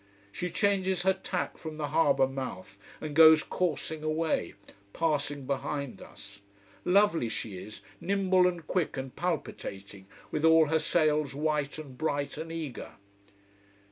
She changes her tack from the harbour mouth, and goes coursing away, passing behind us. Lovely she is, nimble and quick and palpitating, with all her sails white and bright and eager.